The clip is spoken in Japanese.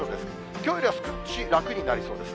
きょうよりは少し楽になりそうです。